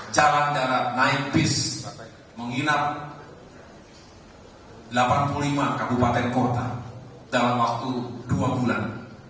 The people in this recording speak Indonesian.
cara cara naik bis menginap delapan puluh lima kabupaten kota dalam waktu dua bulan